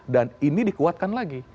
dan ini dikuatkan lagi